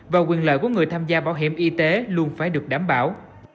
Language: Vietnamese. và quyền lợi của người tham gia bảo hiểm y tế luôn phải được đảm bảo